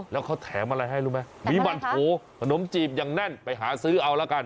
แล้วเขาแถมอะไรให้รู้ไหมมีหมั่นโถขนมจีบอย่างแน่นไปหาซื้อเอาละกัน